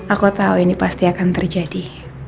aku tahu ini pasti akan terjadi